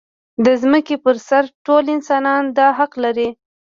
د ځمکې پر سر ټول انسانان دا حق لري.